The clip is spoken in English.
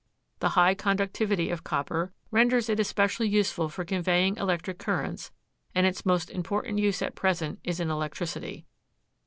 The high conductivity of copper renders it especially useful for conveying electric currents and its most important use at present is in electricity.